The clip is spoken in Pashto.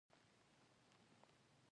نیکه د لور، زوی، لمسيو دعا کوي.